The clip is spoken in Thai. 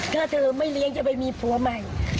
ใช้เดียวละสองมือ